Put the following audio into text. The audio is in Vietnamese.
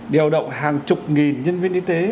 điều động hàng chục nghìn nhân viên y tế